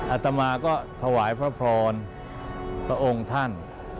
อาตมาก็ถวายพระพรพระองค์ท่าน